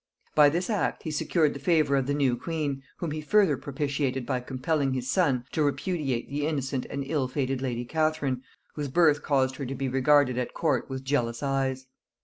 By this act he secured the favor of the new queen, whom he further propitiated by compelling his son to repudiate the innocent and ill fated lady Catherine, whose birth caused her to be regarded at court with jealous eyes.